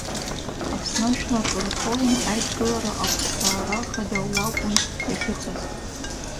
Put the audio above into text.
Аԥсны жәлар рфорум Аидгылара ахәшҭаара хада уакәын иахьыҟаз.